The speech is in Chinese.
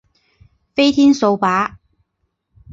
飞天扫帚。